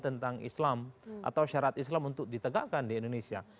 tentang islam atau syarat islam untuk ditegakkan di indonesia